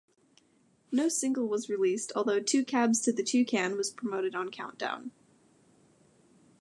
No single was released, although "Two Cabs to the Toucan" was promoted on "Countdown".